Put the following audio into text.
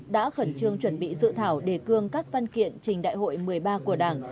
đã khẩn trương chuẩn bị dự thảo đề cương các văn kiện trình đại hội một mươi ba của đảng